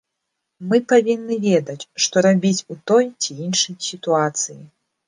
Мы павінны ведаць, што рабіць у той ці іншай сітуацыі.